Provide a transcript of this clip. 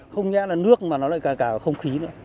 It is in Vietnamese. không nhẽ là nước mà nó lại cả không khí nữa